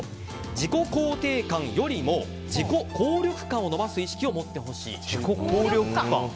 自己肯定感よりも自己効力感を伸ばす意識を自己効力感？